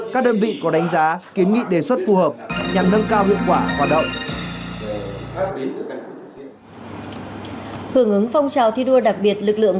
các đơn vị có đánh giá kiến nghị đề xuất phù hợp nhằm nâng cao hiệu quả hoạt động